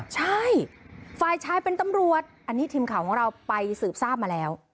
ใช่ฝ่ายชายเป็นตำรวจอันนี้ทีมข่าวของเราไปสืบทราบมาแล้ว